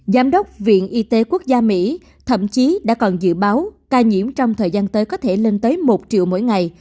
giám đốc viện y tế quốc gia mỹ thậm chí đã còn dự báo ca nhiễm trong thời gian tới có thể lên tới một triệu mỗi ngày